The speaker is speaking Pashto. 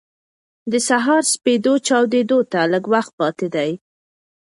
د سهار سپېدې چاودېدو ته لږ وخت پاتې دی.